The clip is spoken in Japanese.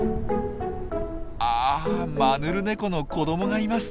あマヌルネコの子どもがいます。